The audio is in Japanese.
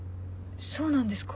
そうなんですか。